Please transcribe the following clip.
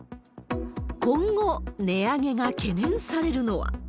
今後、値上げが懸念されるのは。